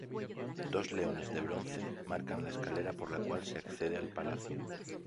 Dos leones de bronce marcan la escalera por la cual se accede al palacio.